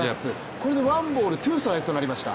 これでワンボール・ツーストライクとなりました。